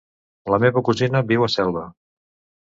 La meva cosina viu a Selva.